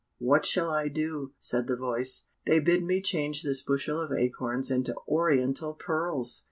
what shall I do?" said the voice. "They bid me change this bushel of acorns into oriental pearls!"